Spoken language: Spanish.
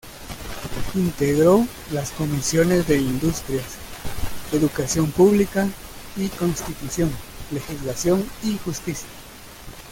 Integró las comisiones de Industrias, Educación Pública, y Constitución, Legislación y Justicia.